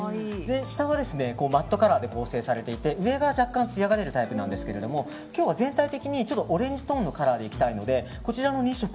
下はマッドカラーで構成されていて上が若干つやが出るタイプなんですけど今日は全体的にオレンジカラーでいきたいので。